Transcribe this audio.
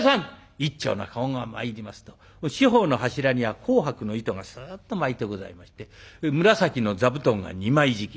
１丁の駕籠が参りますと四方の柱には紅白の糸がスっと巻いてございまして紫の座布団が２枚敷き。